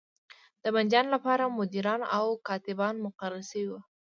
د بندیانو لپاره مدیران او کاتبان مقرر شوي وو.